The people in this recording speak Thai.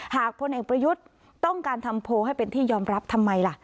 พลเอกประยุทธ์ต้องการทำโพลให้เป็นที่ยอมรับทำไมล่ะ